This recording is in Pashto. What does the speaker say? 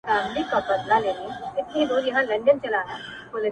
o اوس كرۍ ورځ زه شاعري كومه.